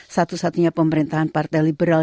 satu satunya pemerintahan partai liberal